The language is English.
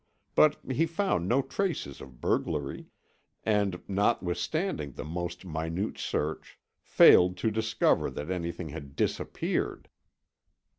But he found no traces of burglary, and, notwithstanding the most minute search, failed to discover that anything had disappeared.